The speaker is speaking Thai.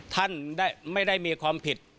ท่านไม่ได้มีความผิด